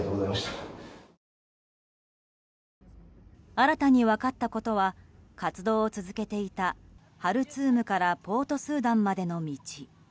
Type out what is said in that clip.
新たに分かったことは活動を続けていたハルツームからポートスーダンまでの道。